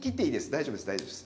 大丈夫です。